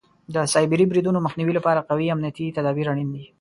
د سایبري بریدونو مخنیوي لپاره قوي امنیتي تدابیر اړین دي.